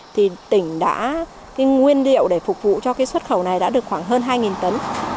thì tỉnh đã nguyên liệu để phục vụ cho xuất khẩu này đã được khoảng hơn hai tấn